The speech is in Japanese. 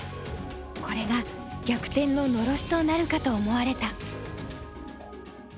これが逆転ののろしとなるかと思われた。